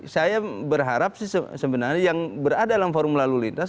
saya berharap sih sebenarnya yang berada dalam forum lalu lintas